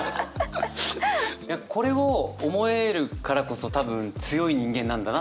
これを思えるからこそ多分強い人間なんだなって思えるんですよね。